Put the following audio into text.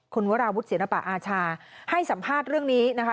คุณวราวุฒิศิลปะอาชาให้สัมภาษณ์เรื่องนี้นะคะ